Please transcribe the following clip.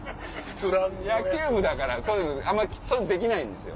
野球部だからそういうのあんまできないんですよ。